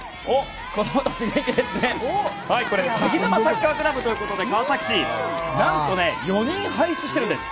これはさぎぬまサッカークラブということでなんと４人輩出しているんです。